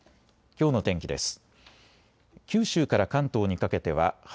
きょうの天気です。